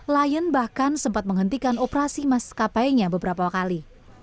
lion bahkan sempat menghentikan operasi maskapainya beberapa kali